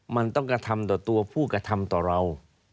มันต้องกระทำต่อตัวผู้กระทำต่อเรา